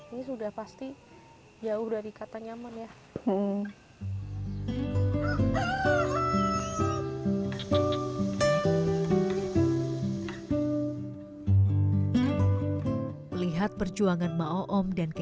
ini sudah pasti jauh dari kata nyaman ya